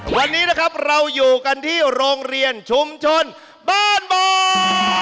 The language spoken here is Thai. วันนี้นะครับเราอยู่กันที่โรงเรียนชุมชนบ้านบ่อ